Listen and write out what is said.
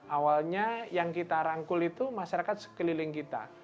awalnya yang kita rangkul itu masyarakat sekeliling kita